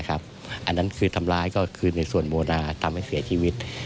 อันนั้นทำลายคือโบราณที่ทำให้เสียชีวิต